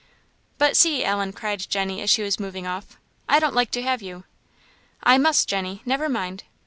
"But see, Ellen!" cried Jenny as she was moving off, "I don't like to have you!" "I must, Jenny. Never mind."